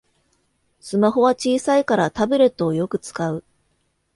スマホは小さいからタブレットをよく使う